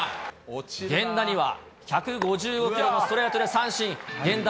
源田には１５５キロのストレートで三振。